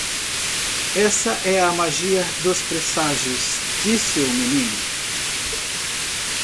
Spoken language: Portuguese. "Essa é a magia dos presságios?" disse o menino.